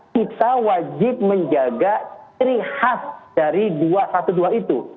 kita wajib menjaga ciri khas dari dua ratus dua belas itu